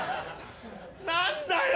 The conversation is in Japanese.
何だよ。